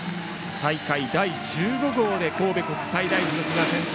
大会第１５号で神戸国際大付属が先制。